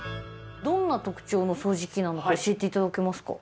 どんな特徴の掃除機なのか教えて頂けますか？